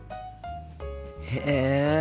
へえ。